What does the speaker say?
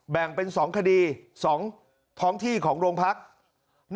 แบ่งเป็น๒คดี๒ท้องที่ของโรงพักษณ์